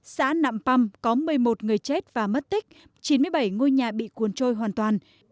xã nạm păm có một mươi một người chết và mất tích chín mươi bảy ngôi nhà bị cuốn trôi hoàn toàn